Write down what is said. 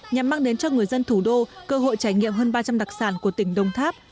nhằm mang đến cho người dân thủ đô cơ hội trải nghiệm hơn ba trăm linh đặc sản của tỉnh đồng tháp